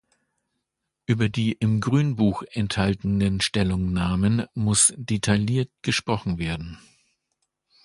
Über die im Grünbuch enthaltenen Stellungnahmen muss detailliert gesprochen werden.